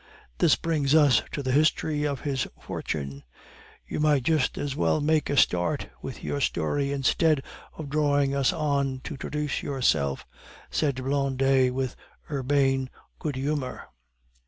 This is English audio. This brings us to the history of his fortune." "You might just as well make a start with your story instead of drawing us on to traduce ourselves," said Blondet with urbane good humor.